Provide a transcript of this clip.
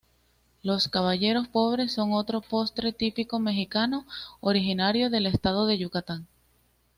Los caballeros pobres son otro postre típico mexicano originario del estado de Yucatán.